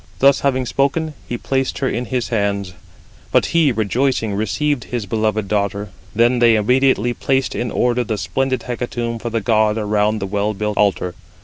Thus having spoken, he placed her in his hands; but he rejoicing received his beloved daughter. Then they immediately placed in order the splendid hecatomb for the god around the well built altar.